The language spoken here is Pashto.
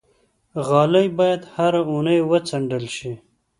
غالۍ باید هره اونۍ وڅنډل شي.